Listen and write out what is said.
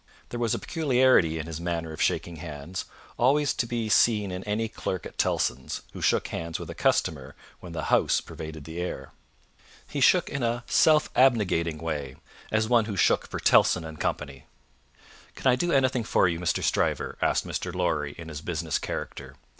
There was a peculiarity in his manner of shaking hands, always to be seen in any clerk at Tellson's who shook hands with a customer when the House pervaded the air. He shook in a self abnegating way, as one who shook for Tellson and Co. "Can I do anything for you, Mr. Stryver?" asked Mr. Lorry, in his business character.